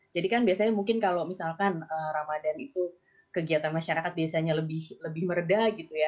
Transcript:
jadi kan biasanya mungkin kalau misalkan ramadan itu kegiatan masyarakat biasanya lebih meredah